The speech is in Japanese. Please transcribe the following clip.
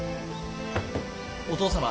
お父様。